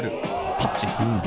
タッチ。